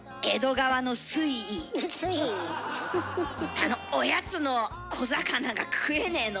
あのおやつの小魚が食えねえの。